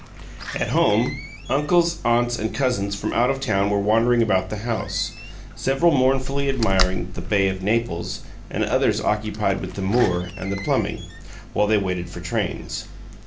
At home, uncles, aunts, and cousins from out of town were wandering about the house, several mournfully admiring the "Bay of Naples," and others occupied with the Moor and the plumbing, while they waited for trains.